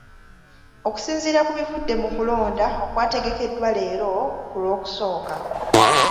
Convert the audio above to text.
Okusinziira ku bivudde mu kulonda okwategekeddwa leero ku Lwokusooka.